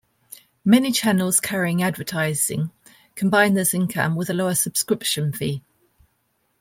Many channels carrying advertising combine this income with a lower subscription fee.